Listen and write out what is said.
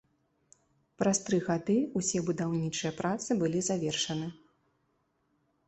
Праз тры гады ўсе будаўнічыя працы былі завершаны.